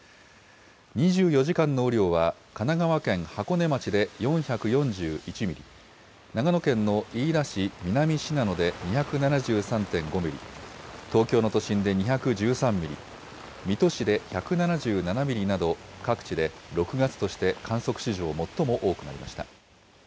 ２４時間の雨量は、神奈川県箱根町で４４１ミリ、長野県の飯田市南信濃で２７３．５ミリ、東京の都心で２１３ミリ、水戸市で１７７ミリなど、各地で６月として観測史上、最も多くなりました。